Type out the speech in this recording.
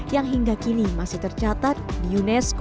yang hingga kini masih tercatat di unesco